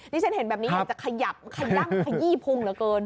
ที่ฉันเห็นแบบนี้อยากจะขยับขย่ำขยี้พุงเหลือเกิน